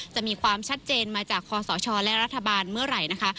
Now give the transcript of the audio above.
จะมีความชัดเจนมาจากคอสชและรัฐบาลเมื่อไหร่นะคะ